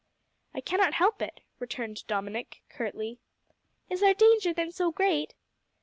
"I cannot help it," returned Dominick, curtly. "Is our danger then so great?"